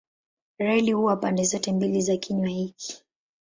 Reli huwa pande zote mbili za kinywa hiki.